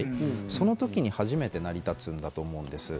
その時に初めて成り立つんだと思うんです。